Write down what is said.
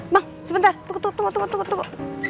bang sebentar tunggu tunggu tunggu